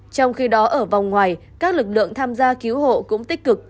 trong khi đó ở vòng ngoài các lực lượng tham gia cứu hộ cũng tích cực